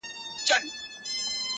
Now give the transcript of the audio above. نې مني جاهل افغان ګوره چي لا څه کیږي!